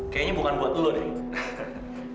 kayaknya bukan buat lu nih